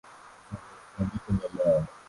Gazeti la leo.